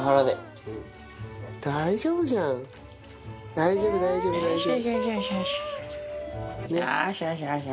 大丈夫大丈夫大丈夫。